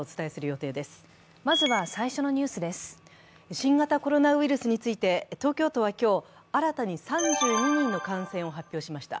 新型コロナウイルスについて東京都は今日、新たに３２人の感染を発表しました。